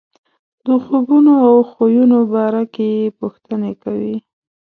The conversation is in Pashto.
د خوبونو او خویونو باره کې یې پوښتنې کوي.